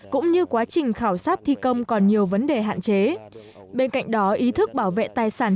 cũng như quá trình khảo sát thi công còn nhiều vấn đề hạn chế bên cạnh đó ý thức bảo vệ tài sản